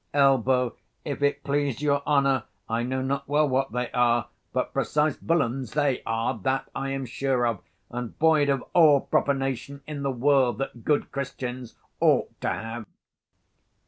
Elb. If it please your honour, I know not well what they are: but precise villains they are, that I am sure of; and void of all profanation in the world that good Christians ought to have.